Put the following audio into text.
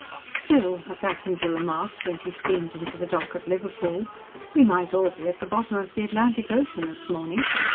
"Still," as a passenger remarked, when she steamed into the dock at Liverpool, "we might all be at the bottom of the Atlantic Ocean this morning.